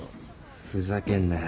ふざけんなよ。